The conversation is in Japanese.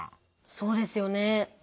そうですよね。